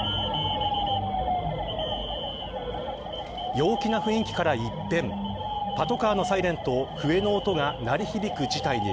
陽気な雰囲気から一転パトカーのサイレンと笛の音が鳴り響く事態に。